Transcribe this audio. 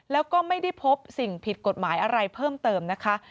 แล้วก็ไม่ได้พบสิ่งผิดกฎหมายอะไรเพิ่มเติมนะคะ